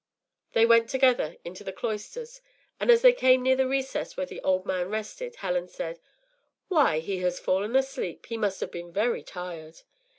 ” They went together into the cloisters, and as they came near the recess where the old man rested Helen said: “Why, he has fallen asleep! He must have been very tired.